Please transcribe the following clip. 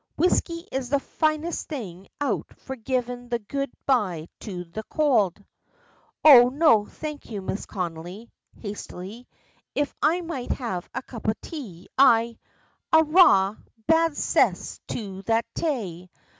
Whiskey is the finest thing out for givin' the good bye to the cowld." "Oh, no, thank you, Mrs. Connolly" hastily "if I might have a cup of tea, I " "Arrah, bad cess to that tay!